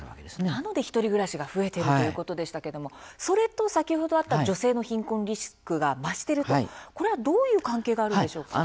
なので１人暮らしが増えているということでしたけどもそれと、先ほどあった女性の貧困リスクが増しているとこれはどういう関係があるんでしょうか？